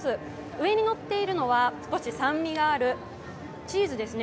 上に乗っているのは少し酸味があるチーズですね